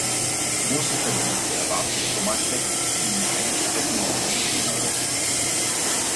Große Verdienste erwarb sich Tomášek um die Heiligsprechung der hl.